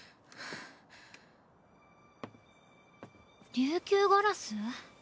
琉球ガラス？